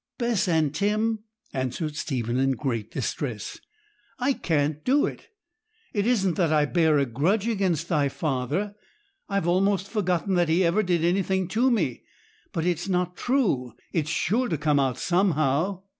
'Bess and Tim,' answered Stephen, in great distress, 'I can't do it. It isn't that I bear a grudge against thy father I've almost forgotten that he ever did anything to me. But it's not true; it's sure to come out somehow.